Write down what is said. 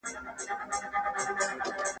سياسي څېړونکي د خپلو تګلارو په اړه یوالی نه لري.